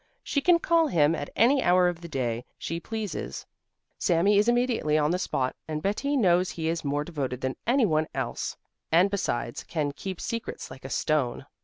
She can call him at any hour of the day she pleases, Sami is immediately on the spot, and Betti knows he is more devoted than any one else and besides can keep secrets like a stone.